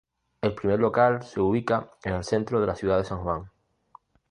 El primer local se ubica en el centro de la ciudad de San Juan.